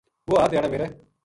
وُہ ہر دھیاڑے میرے